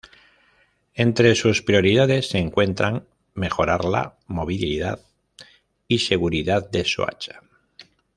Entre su prioridades se encuentran mejorarla movilidad y seguridad de Soacha.